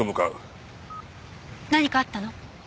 何かあったの？